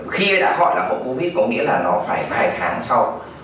khi đã khỏi là hậu covid có nghĩa là nó phải vài tháng sau